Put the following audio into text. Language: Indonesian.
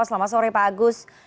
selamat sore pak agus